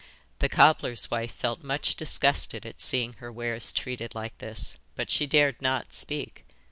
The cobbler's wife felt much disgusted at seeing her wares treated like this, but she dared not speak.